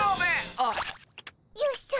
ああ。よいしょ。